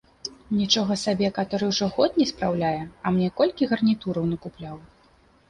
Нічога сабе каторы ўжо год не спраўляе, а мне колькі гарнітураў накупляў.